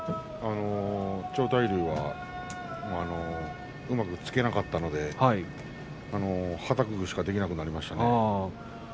千代大龍はうまく突けなかったのではたくしかできなくなりましたね。